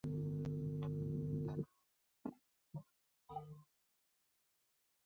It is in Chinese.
襄城城墙为河南省境内保存最完整的县城城墙。